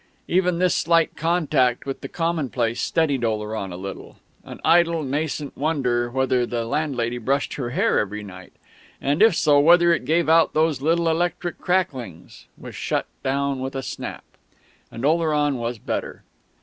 Even this slight contact with the commonplace steadied Oleron a little; an idle, nascent wonder whether the landlady brushed her hair every night, and, if so, whether it gave out those little electric cracklings, was shut down with a snap; and Oleron was better....